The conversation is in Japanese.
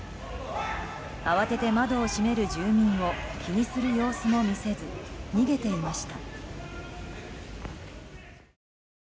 慌てて窓を閉める住民を気にする様子も見せず逃げていました。